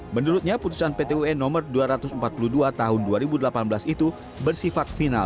menurutnya putusan pt un nomor dua ratus empat puluh dua tahun dua ribu delapan belas itu bersifat final